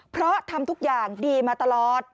เพราะทำทุกอย่างดีมาตลอด